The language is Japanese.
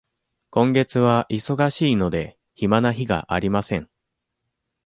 今月は忙しいので、暇な日がありません。